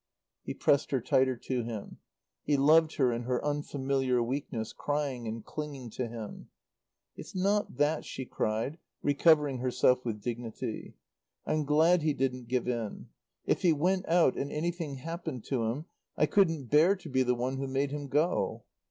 He pressed her tighter to him. He loved her in her unfamiliar weakness, crying and clinging to him. "It's not that," she said, recovering herself with dignity. "I'm glad he didn't give in. If he went out, and anything happened to him, I couldn't bear to be the one who made him go."